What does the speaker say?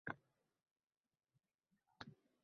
Ertaga jo'nab ketasizmi?